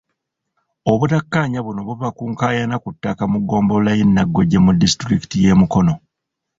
Obutakkaanya buno buva ku nkaayana ku ttaka mu ggombolola y'e Naggoje mu disitulikiti y'e Mukono.